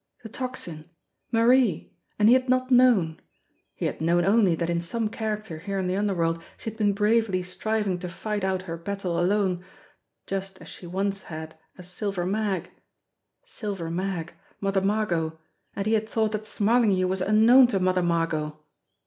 The Tocsin! Marie! And he had not known he had known only that in some character here in the underworld she had been bravely striving to fight out her battle alone just as she once had as Silver Mag. Silver Mag ! Mother Margot ! And he had thought that Smarling hue was unknown to Mother Margot!